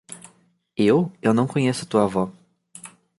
Eu? eu não conheço tua avó.